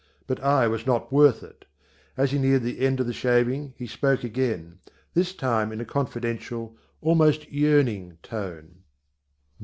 But I was not worth it. As he neared the end of the shaving he spoke again, this time in a confidential, almost yearning, tone.